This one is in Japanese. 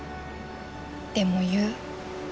でも言う。